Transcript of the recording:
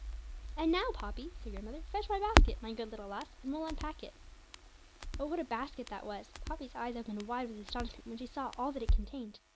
'And now, Poppy,' said grandmother, 'fetch my basket, my good little lass, and we'll unpack it.' Oh, what a basket that was! Poppy's eyes opened wide with astonishment when she saw all that it contained.